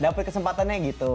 dapet kesempatannya gitu